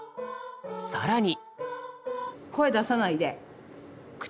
更に。